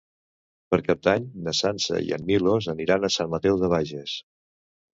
Per Cap d'Any na Sança i en Milos aniran a Sant Mateu de Bages.